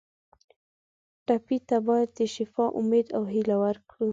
ټپي ته باید د شفا امید او هیله ورکړو.